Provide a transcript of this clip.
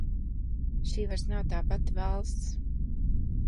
Šī vairs nav tā pati valsts.